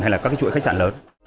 hay là các chuỗi khách sạn lớn